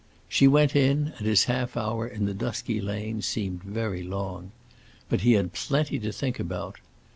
She went in, and his half hour in the dusky lane seemed very long. But he had plenty to think about.